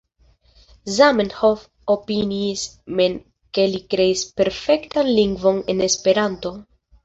Zamenhof opiniis mem ke li kreis perfektan lingvon en Esperanto.